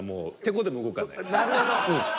なるほど。